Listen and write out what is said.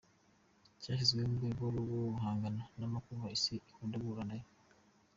cyashyizweho mu rwego rwoguhangana na makuba isi ikunda guhura nayo.